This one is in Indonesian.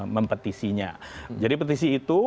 mempetisinya jadi petisi itu